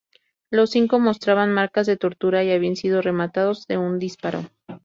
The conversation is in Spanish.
Los cinco mostraban marcas de tortura y habían sido rematados de un disparo.